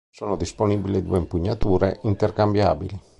Sono disponibili due impugnature intercambiabili.